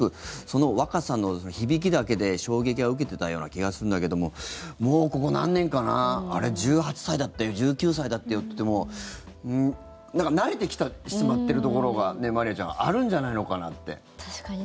あれ、１０代だってよ高校生だってよなんて言ってすごくその若さの響きだけで衝撃は受けてたような気がするんだけどももうここ何年かなあれ、１８歳だってよ１９歳だってよって言っても慣れてきてしまっているところがまりあちゃんあるんじゃないのかなって。